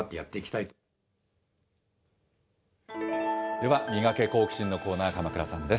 ではミガケ、好奇心！のコーナー、鎌倉さんです。